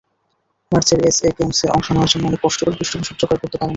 মার্চের এসএ গেমসে অংশ নেওয়ার জন্য অনেক কষ্ট করেও পৃষ্ঠপোষক জোগাড় করতে পারেননি।